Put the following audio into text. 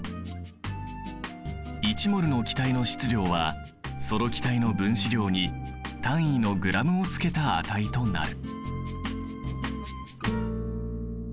１ｍｏｌの気体の質量はその気体の分子量に単位のｇをつけた値となる。